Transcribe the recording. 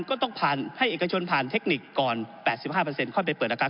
ก็ต้องผ่านให้เอกชนผ่านเทคนิคก่อน๘๕ค่อยไปเปิดอาการ